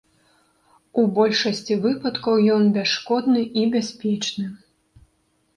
У большасці выпадкаў ён бясшкодны і бяспечны.